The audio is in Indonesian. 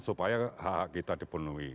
supaya hak kita dipenuhi